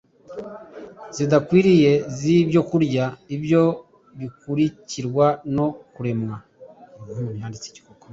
zidakwiriye zibyokurya ibyo bikurikirwa no kuremwa